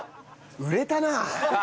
売れたなあ。